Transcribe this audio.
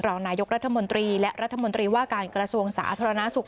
รองนายกรัฐมนตรีและรัฐมนตรีว่าการกระทรวงสาธารณสุข